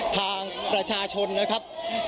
ทางประชาชนนะครับ